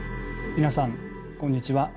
皆さんこんにちは。